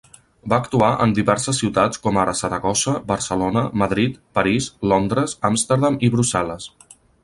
Va actuar en diverses ciutats com ara Saragossa, Barcelona, Madrid, París, Londres, Amsterdam i Brussel·les.